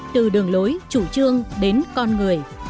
từ đường lối chủ trương đến con người